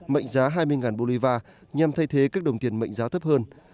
mệnh giá hai mươi bolivar nhằm thay thế các đồng tiền mệnh giá thấp hơn